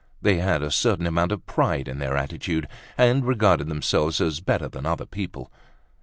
They had a certain amount of pride in their attitude and regarded themselves as better than other people.